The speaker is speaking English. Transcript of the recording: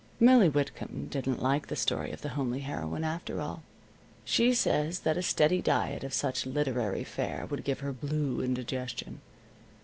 Millie Whitcomb didn't like the story of the homely heroine, after all. She says that a steady diet of such literary fare would give her blue indigestion.